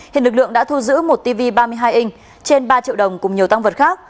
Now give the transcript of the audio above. hiện lực lượng đã thu giữ một tv ba mươi hai inch trên ba triệu đồng cùng nhiều tăng vật khác